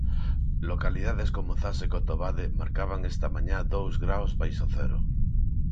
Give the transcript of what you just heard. Localidades como Zas e Cotobade marcaban esta mañá dous graos baixo cero.